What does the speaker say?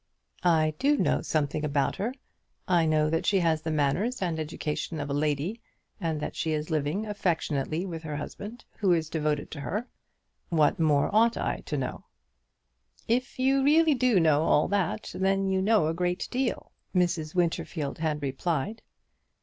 "I do know something about her; I know that she has the manners and education of a lady, and that she is living affectionately with her husband, who is devoted to her. What more ought I to know?" "If you really do know all that, you know a great deal," Mrs. Winterfield had replied.